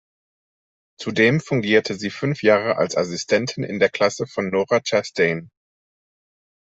Zudem fungierte sie fünf Jahre als Assistentin in der Klasse von Nora Chastain.